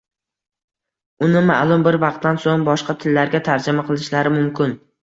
Uni ma’lum bir vaqtdan so’ng boshqa tillarga tarjima qilishlari mumkin